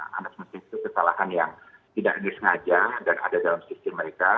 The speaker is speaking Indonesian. anas mesin itu kesalahan yang tidak disengaja dan ada dalam sistem mereka